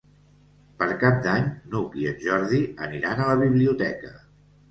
Per Cap d'Any n'Hug i en Jordi aniran a la biblioteca.